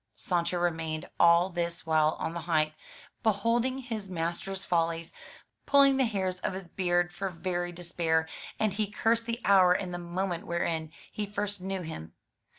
Sancho remained all this while on the height, beholding his master's follies, pulling the hairs of his beard for very despair; and he cursed the hour and the moment wherein he first knew him.